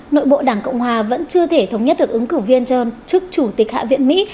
nội bộ đảng cộng hòa vẫn chưa thể thống nhất được ứng cử viên cho chức chủ tịch hạ viện mỹ